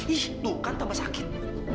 ih tuh kan tambah sakit